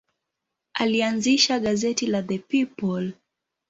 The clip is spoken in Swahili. Alianzisha gazeti la The People.